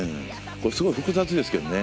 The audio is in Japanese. すごい複雑ですけどね。